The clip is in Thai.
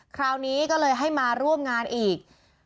คราวนี้ก็เลยให้มาร่วมงานอีก